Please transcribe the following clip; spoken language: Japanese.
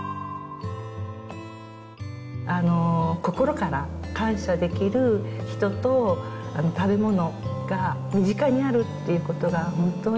心から感謝できる人と食べ物が身近にあるということが本当に